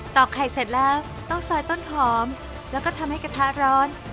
อกไข่เสร็จแล้วต้องซอยต้นหอมแล้วก็ทำให้กระทะร้อน